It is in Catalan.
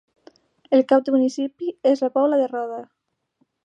El cap de municipi és la Pobla de Roda.